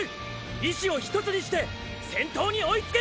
意思をひとつにして先頭に追いつく！！